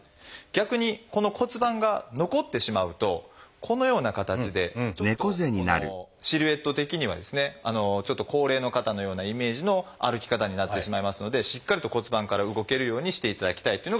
逆にこの骨盤が残ってしまうとこのような形でちょっとシルエット的にはですねちょっと高齢の方のようなイメージの歩き方になってしまいますのでしっかりと骨盤から動けるようにしていただきたいっていうのが一点。